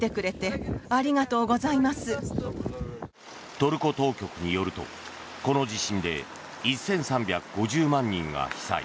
トルコ当局によるとこの地震で１３５０万人が被災。